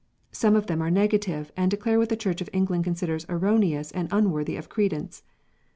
Some of them are negative, and declare what the Church of England considers erroneous and unworthy of credence.